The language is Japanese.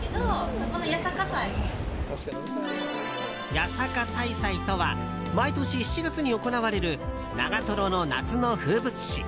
八坂大祭とは毎年７月に行われる長瀞の夏の風物詩。